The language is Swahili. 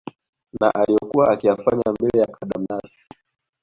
na aliyokuwa akiyafanya bele ya kadamnasi